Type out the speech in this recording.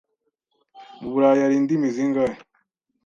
Mu Burayi hari indimi zingahe?